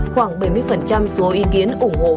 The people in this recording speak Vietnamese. khoảng bảy mươi số ý kiến ủng hộ phương án lựa chọn